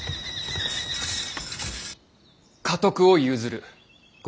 家督を譲る。